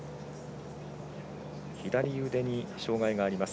左腕に障がいがあります。